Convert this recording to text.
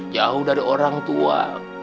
jauh dari orang tua